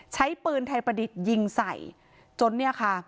ใช้ปืนไทยประดิษฐ์ยิงใส่จนเนี่ยค่ะ